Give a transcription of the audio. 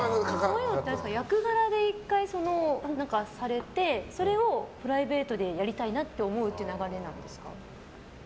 そういうのって役柄で１回、されてそれをプライベートでやりたいなって思う流れなんですか？